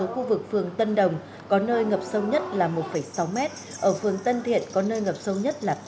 khu vực phường tân đồng có nơi ngập sâu nhất là một sáu m ở phường tân thiện có nơi ngập sâu nhất là